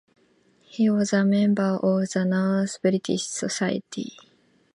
He was a member of the North British Society.